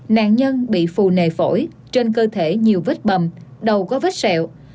nạn nhân bị phù nề phổi trên cơ thể nhiều vết bầm đầu có vết sẹo